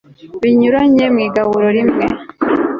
binyuranye mu igaburo rimwe